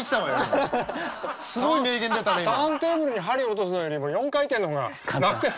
ターンテーブルに針落とすよりも４回転の方が楽だって。